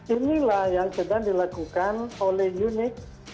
inilah yang sedang dilakukan oleh unit